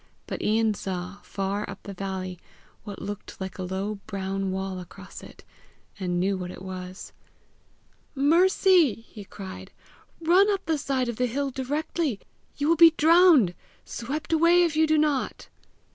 But Ian saw, far up the valley, what looked like a low brown wall across it, and knew what it was. "Mercy!" he cried, "run up the side of the hill directly; you will be drowned swept away if you do not."